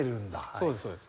そうですそうです。